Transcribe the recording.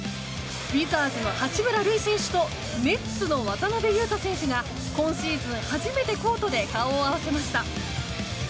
ウィザーズの八村塁選手とネッツの渡邊雄太選手が今シーズン初めてコートで顔を合わせました。